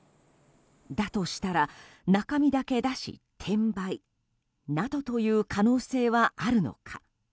だとしたら、中身だけ出し転売などという可能性はあるのか。